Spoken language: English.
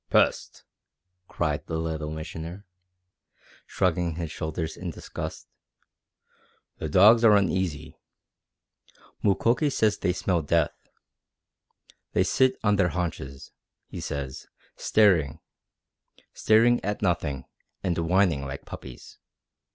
"Pest!" cried the Little Missioner, shrugging his shoulders in disgust. "The dogs are uneasy. Mukoki says they smell death. They sit on their haunches, he says, staring staring at nothing, and whining like puppies.